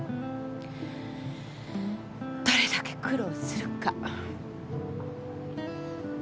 どれだけ苦労するか。